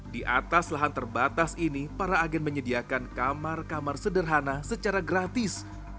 di atas lahan terbatas ini para agen menyediakan kamar kamar sederhana secara gratis